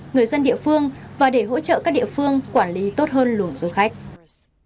người dân địa phương và để hỗ trợ các địa phương quản lý tốt hơn luồng du khách